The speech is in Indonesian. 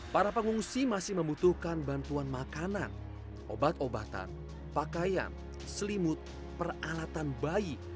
para pengungsi masih membutuhkan bantuan makanan obat obatan pakaian selimut peralatan bayi